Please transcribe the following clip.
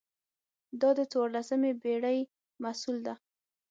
دا د څوارلسمې پېړۍ محصول ده.